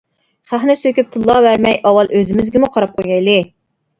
خەقنى سۆكۈپ تىللاۋەرمەي، ئاۋۋال ئۆزىمىزگىمۇ قاراپ قويايلى!